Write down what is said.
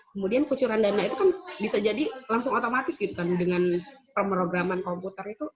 kemudian kucuran dana itu kan bisa jadi langsung otomatis gitu kan dengan pemrograman komputer itu